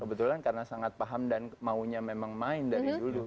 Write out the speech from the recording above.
kebetulan karena sangat paham dan maunya memang main dari dulu